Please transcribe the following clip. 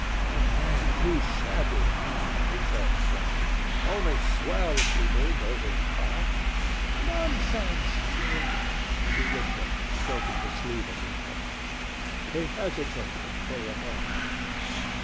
"I am too shabby," he answered, frowning. "Only swell people go to the park." "Nonsense, Jim," she whispered, stroking the sleeve of his coat. He hesitated for a moment.